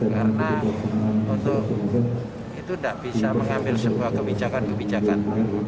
karena untuk itu tidak bisa mengambil sebuah kebijakan kebijakan